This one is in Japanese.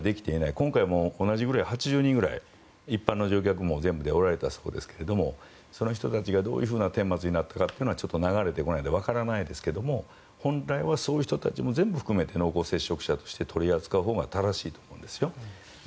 今回も同じくらい８０人ぐらい一般の乗客も全部でおられたそうですがその人たちがどういうてん末になったのかはちょっとわからないですけれども本来はそういう人たちも全部含めて濃厚接触者として取り扱うほうが正しいと思うんです。